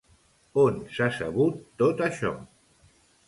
On s'ha sabut tot això?